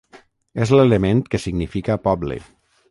És l'element que significa poble.